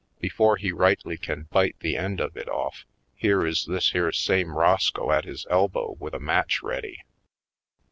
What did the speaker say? Before he rightly can bite the end of it off, here is this here same Roscoe at his elbow with a match ready.